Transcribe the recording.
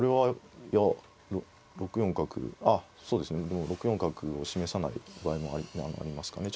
でも６四角を示さない場合もありますかね。